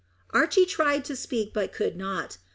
Archy tried to speak but could not.